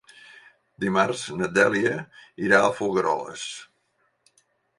Dimarts na Dèlia irà a Folgueroles.